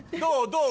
どう？